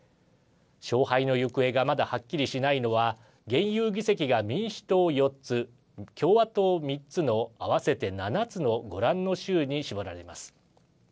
勝敗の行方がまだはっきりしないのは現有議席が民主党４つ共和党３つの、合わせて７つのご覧の州に絞られます。